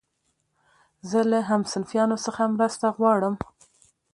زه له همصنفيانو څخه مرسته غواړم.